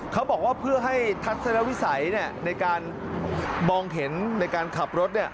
เขาบอกว่าเพื่อให้ทัศนวิสัยในการมองเห็นในการขับรถ